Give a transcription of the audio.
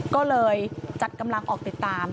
ก็เลยจัดกำลังออกติดตาม